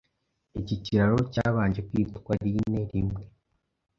iki kiraro cyabanje kwitwa Line rimwe